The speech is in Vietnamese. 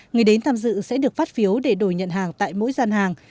người đến tham dự sẽ được phát phiếu để đổi nhận hàng tại mỗi gian hàng